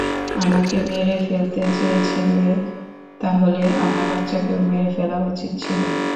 আমাকে মেরে ফেলতে চেয়েছিলে, তাহলে, আমার বাচ্চাকেও মেরে ফেলা উচিত ছিল।